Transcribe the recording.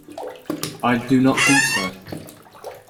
I do not think so.